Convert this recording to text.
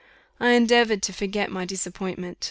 I endeavoured to forget my disappointment.